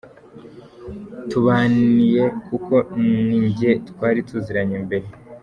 tubaniye kuko nijye twari tuziranye mbere.